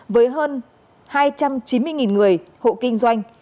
với hơn hai trăm chín mươi người hộ kinh doanh